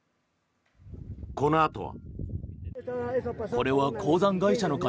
このあとは。